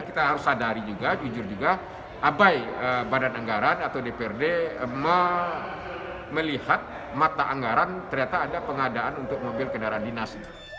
kita harus sadari juga jujur juga abai badan anggaran atau dprd melihat mata anggaran ternyata ada pengadaan untuk mobil kendaraan dinas